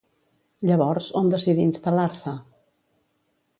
Llavors, on decidí instal·lar-se?